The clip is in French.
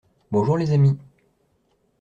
Bonjour les amis.